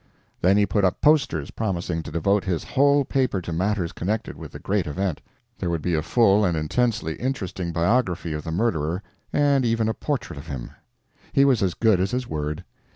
Then he put up posters promising to devote his whole paper to matters connected with the great event—there would be a full and intensely interesting biography of the murderer, and even a portrait of him. He was as good as his word.